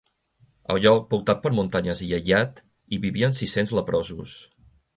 Al lloc, voltat per muntanyes i aïllat, hi vivien sis-cents leprosos.